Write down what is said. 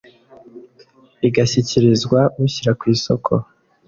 igashyikirizwa ushyira ku isoko